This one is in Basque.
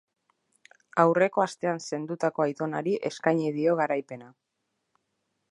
Aurreko astean zendutako aitonari eskaini dio garaipena.